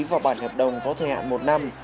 vào bản hợp đồng có thời hạn một năm